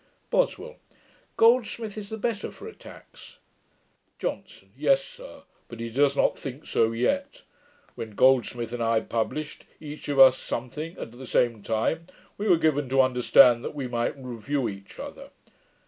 BOSWELL. 'Goldsmith is the better for attacks.' JOHNSON. 'Yes, sir; but he does not think so yet. When Goldsmith and I published, each of us something, at the same time, we were given to understand that we might review each other.